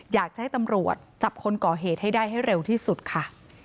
อยากจะให้ตำรวจจับคนก่อเหตุให้ได้ให้เร็วที่สุดค่ะ